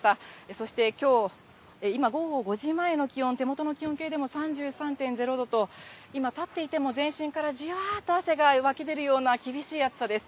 そしてきょう、今、午後５時前の気温、手元の気温計でも３３．０度と、今、立っていても、全身からじわっと汗が湧き出るような厳しい暑さです。